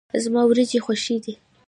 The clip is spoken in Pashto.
زما وريجي خوښي دي.